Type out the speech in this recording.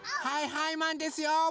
はいはいマンですよ！